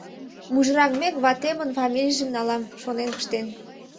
Мужыраҥмек, ватемын фамилийжым налам», — шонен пыштен.